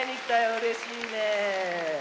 うれしいねえ。